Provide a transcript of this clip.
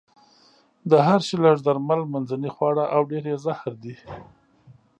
د هر شي لږ درمل، منځنۍ خواړه او ډېر يې زهر دي.